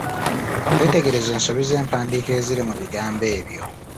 Weetegereze ensobi z'empandiika eziri mu bigambo ebyo.